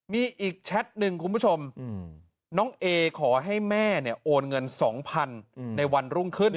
มีอีกแชทหนึ่งคุณผู้ชมน้องเอขอให้แม่โอนเงิน๒๐๐๐ในวันรุ่งขึ้น